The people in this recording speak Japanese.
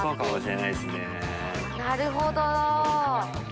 なるほど。